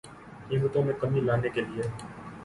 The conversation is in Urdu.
قیمتوں میں کمی لانے کیلئے